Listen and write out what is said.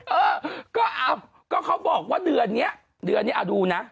เออก็เอาก็เขาบอกว่าเดือนเนี้ยเดือนเนี้ยอะดูนะ